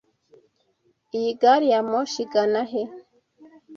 Iyi gari ya moshi igana he?